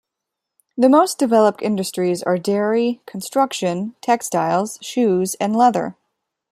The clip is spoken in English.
The most developed industries are dairy, construction, textiles, shoes and leather.